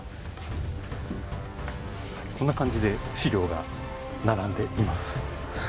こんな感じで資料が並んでいます。